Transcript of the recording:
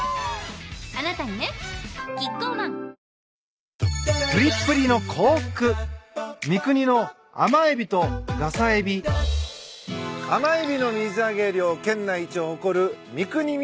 あなたにねキッコーマンアマエビの水揚げ量県内一を誇る三国港。